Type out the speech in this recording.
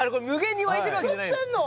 吸ってんの！？